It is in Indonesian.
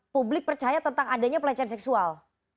publik percaya tentang adanya pelecehan seksual